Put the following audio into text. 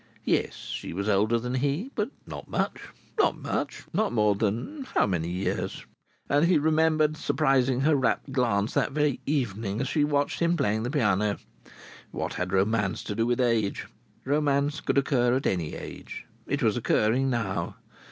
Yes, she was older than he. But not much, not much! Not more than how many years? And he remembered surprising her rapt glance that very evening as she watched him playing the piano. What had romance to do with age? Romance could occur at any age. It was occurring now.